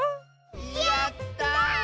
やった！